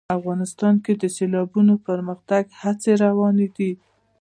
افغانستان کې د سیلابونه د پرمختګ هڅې روانې دي.